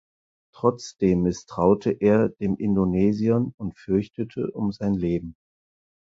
Trotzdem misstraute er den Indonesiern und fürchtete um sein Leben.